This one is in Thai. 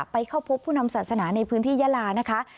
ไปเข้าพบผู้นำศาสนาในพื้นที่ยาลานะคะ